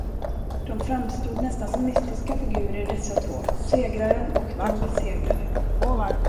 De framstod nästan som mystiska figurer, dessa två, Segraren och Den besegrade.